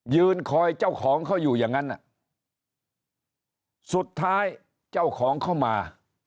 ยืนคอยเจ้าของเขาอยู่อย่างนั้นสุดท้ายเจ้าของเข้ามา